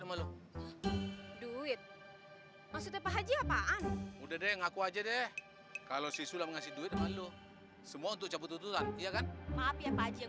amateur fazli apaan udah deh ngaku aja deh kalau isso mengasih duit t feature butuhan iya kan maafin